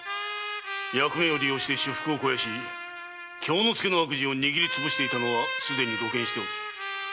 役目を利用して私腹を肥やし京之介の悪事を握り潰していたのはすでに露見しておる。